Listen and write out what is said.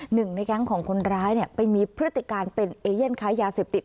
หนึ่งในแก๊งของคนร้ายไปมีพฤติการเป็นเอเย่นค้ายาเสพติด